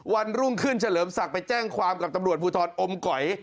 วันรุ่งขึ้นเฉลิมศักดิ์ไปแจ้งความกับตำรวจภูทรอมก๋อย